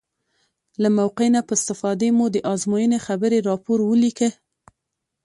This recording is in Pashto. له موقع نه په استفادې مو د ازموینې خبري راپور ولیکه.